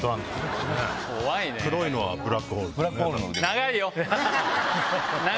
黒いのはブラックホールですね。